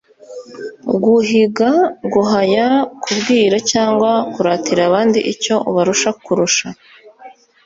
guhiga: guhaya, kubwira cyangwa kuratira abandi icyo ubarusha kurusha